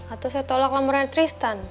atau saya tolak laporan tristan